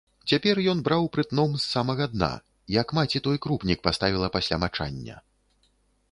Цяпер ён браў прытном з самага дна, як маці той крупнік паставіла пасля мачання.